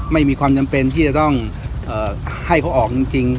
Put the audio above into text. ไม่มีความจำเป็นที่จะต้องให้เขาออกจริง